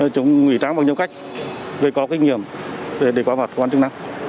chúng ngủy tráng bằng nhiều cách để có kinh nghiệm để đối phó quan trọng năng